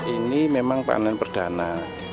ini memang panen perdana